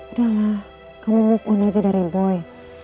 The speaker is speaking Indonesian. udahlah kamu move on aja dari boy